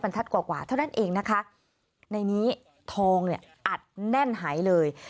ทัดกว่ากว่าเท่านั้นเองนะคะในนี้ทองเนี่ยอัดแน่นหายเลย